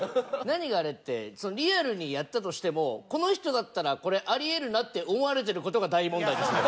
何があれってリアルにやったとしてもこの人だったらこれあり得るなって思われてる事が大問題ですよ。